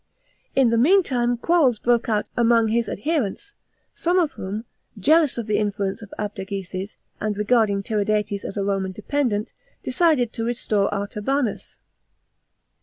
In the meantime quarrels broke out among his adherents, some of whom, jealous of the influence of Abdageses, and regarding Tiridates as a Roman dependent, decided to restore Arta banus.